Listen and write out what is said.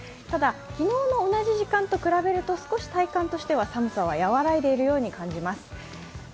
ただ、昨日の同じ時間と比べると、少し体感としては寒さは和らいでいるように感じます。